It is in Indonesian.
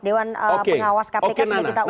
dewan pengawas kpk sudah kita undang